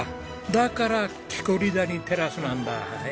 だから「キコリ谷テラス」なんだ。